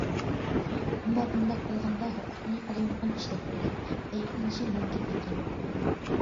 ئەمما بۇنداق قىلغاندا« ھوقۇقنى قالايمىقان ئىشلەتتى» دەپ ئەيىبلىنىشى مۇمكىن ئىكەن.